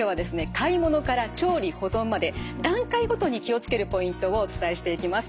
買い物から調理保存まで段階ごとに気を付けるポイントをお伝えしていきます。